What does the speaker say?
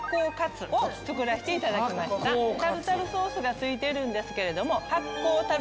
タルタルソースがついてるんですけど。